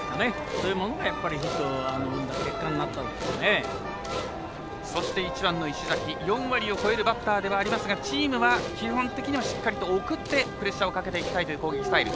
そういうものがそして、１番の石崎４割を超えるバッターではありますがチームは基本的には、しっかりと送ってプレッシャーをかけていきたいという攻撃スタイル。